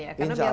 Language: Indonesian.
iya insya allah